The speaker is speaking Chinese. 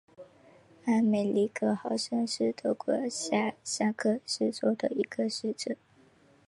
阿梅林格豪森是德国下萨克森州的一个市镇。